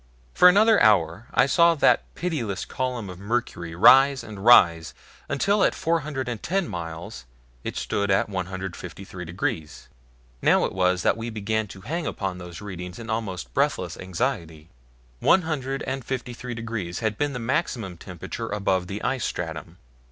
For another hour I saw that pitiless column of mercury rise and rise until at four hundred and ten miles it stood at 153 degrees. Now it was that we began to hang upon those readings in almost breathless anxiety. One hundred and fifty three degrees had been the maximum temperature above the ice stratum.